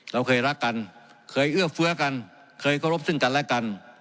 เราเคยรักกันเคยเอื้อเฟื้อกันเคยเคารพซึ่งกันและกัน